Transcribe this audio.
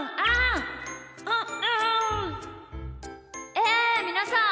えみなさん